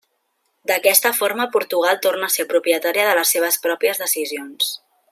D'aquesta forma Portugal torna a ser propietària de les seves pròpies decisions.